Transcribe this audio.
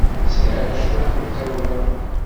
Sɛiɣ cwiṭ n tawla.